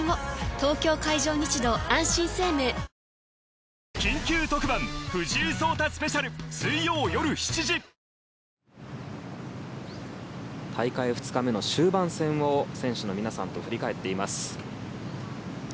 東京海上日動あんしん生命大会２日目の終盤戦を選手の皆さんと振り返っています。